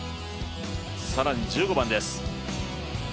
更に１５番です。